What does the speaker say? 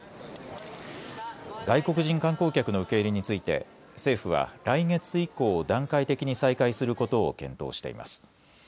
外国人観光客の受け入れについて政府は来月以降、段階的に再開することを検討しています。